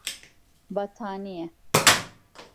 Battaniye…